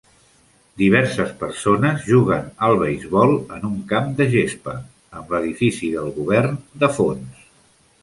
Diverses persones juguen al beisbol en un camp de gespa, amb l'edifici del govern de fons.